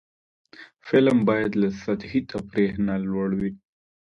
فلم باید له سطحي تفریح نه لوړ وي